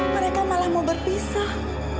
mereka malah mau berpisah